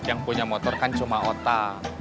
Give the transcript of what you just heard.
yang punya motor kan cuma otak